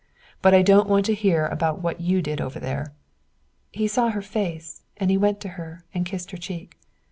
But I don't want to hear about what you did over there." He saw her face, and he went to her and kissed her cheek.